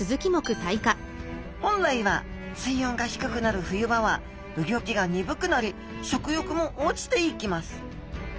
本来は水温が低くなる冬場はうギョきが鈍くなり食欲も落ちていきます。